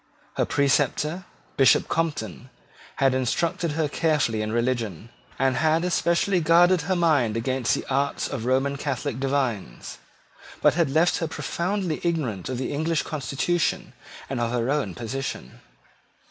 Her preceptor, Bishop Compton, had instructed her carefully in religion, and had especially guarded her mind against the arts of Roman Catholic divines, but had left her profoundly ignorant of the English constitution and of her own position.